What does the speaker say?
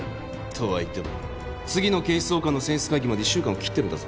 とはいっても次の警視総監の選出会議まで１週間を切ってるんだぞ。